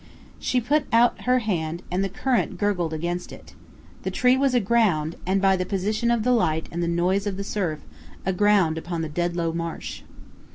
She put out her hand and the current gurgled against it. The tree was aground, and, by the position of the light and the noise of the surf, aground upon the Dedlow Marsh.